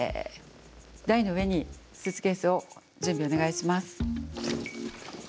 台の上にスーツケースを準備お願いします。